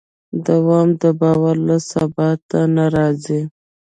دوام د باور له ثبات نه راځي.